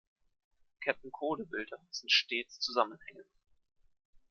Ketten-Kode-Bilder sind stets zusammenhängend.